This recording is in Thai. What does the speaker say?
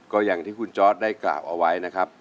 ก็อย่างที่คุณจอร์ดได้กล่าวเอาไว้นะครับ